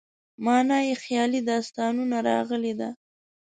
معنا یې خیالي داستانونه راغلې ده.